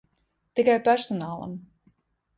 Tikai personālam.